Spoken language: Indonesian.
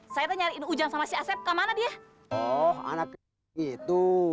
saya lari nyangkut